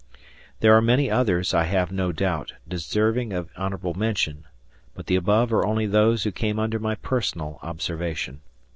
There are many others, I have no doubt, deserving of honorable mention, but the above are only those who came under my personal observation.